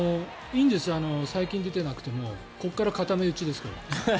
いいんですよ最近、出ていなくてもここから固め打ちですから。